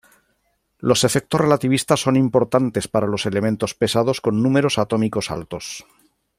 Los efectos relativistas son importantes para los elementos pesados con números atómicos altos.